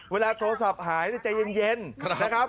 เวลาโทรศัพท์หายใจเย็นนะครับ